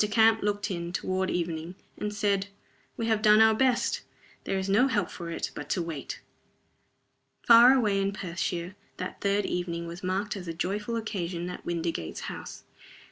Camp looked in, toward evening, and said, "We have done our best. There is no help for it but to wait." Far away in Perthshire that third evening was marked as a joyful occasion at Windygates House.